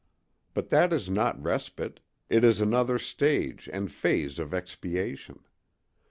But that is not respite; it is another stage and phase of expiation.